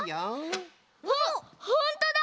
あっほんとだ！